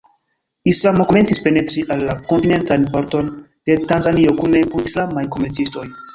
Islamo komencis penetri en la kontinentan parton de Tanzanio kune kun islamaj komercistoj.